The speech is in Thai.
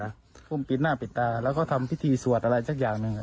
ทุ่มปิดหน้าปิดตาแล้วก็ทำพิธีสวดอะไรสักอย่างหนึ่ง